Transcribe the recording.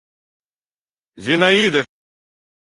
Зинаида